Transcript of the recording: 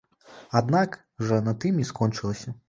Аднак жа на тым і скончылася.